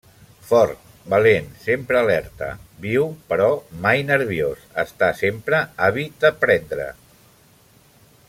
Fort, valent, sempre alerta, viu però mai nerviós, està sempre àvid d'aprendre.